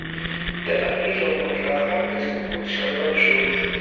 د امیر امان الله خان د سقوط سبب شو.